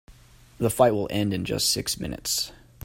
The fight will end in just six minutes.